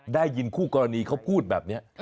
ได้ยินคู่กรณีเขาพูดแบบนี้